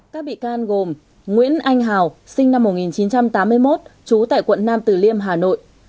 các bị can gồm nguyễn anh hào sinh năm một nghìn chín trăm tám mươi một trú tại quận nam tử liêm hà nội